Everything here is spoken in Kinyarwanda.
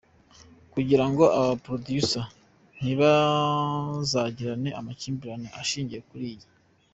kugirango aba ba producer ntibazagirane amakimbirane ashingiye kuri iyi.